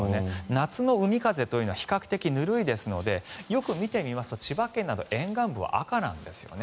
夏の海風というのは比較的ぬるいですのでよく見てみますと千葉県など沿岸部は赤なんですよね。